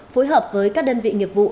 phối hợp với các đơn vị nghiệp vụ